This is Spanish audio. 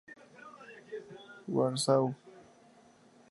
Warsaw, i.